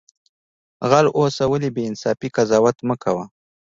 غل اوسه ولی بی انصافی قضاوت مکوه